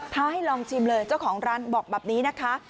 ให้ลองชิมเลยเจ้าของร้านบอกแบบนี้นะคะ